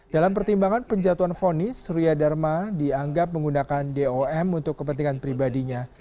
dalam pertimbangan penjatuhan fonis surya dharma dianggap menggunakan dom untuk kepentingan pribadinya